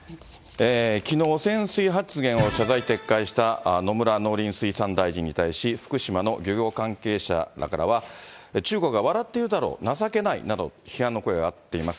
きのう、汚染水発言を謝罪・撤回した野村農林水産大臣に対し、福島の漁業関係者らは、中国が笑っているだろう、情けないなど、批判の声が上がっています。